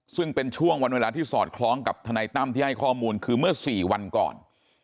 ซึ่งเป็นช่วงวันเวลาที่สอดคล้องกับทนายตั้มที่ให้ข้อมูลคือเมื่อ๔วันก่อน